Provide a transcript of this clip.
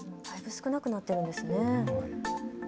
少なくなってるんですね。